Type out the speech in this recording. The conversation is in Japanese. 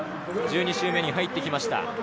１２周目に入ってきました。